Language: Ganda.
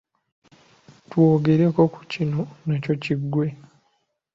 Twogereko ku kino nakyo kiggwe.